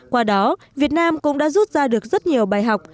qua đó việt nam cũng đã rút ra được rất nhiều bài học